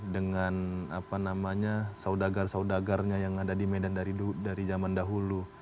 dengan saudagar saudagarnya yang ada di medan dari zaman dahulu